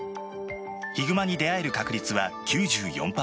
ヒグマに出会える確率は９４％。